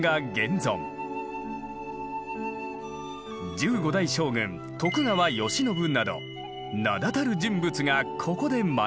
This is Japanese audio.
十五代将軍徳川慶喜など名だたる人物がここで学んだ。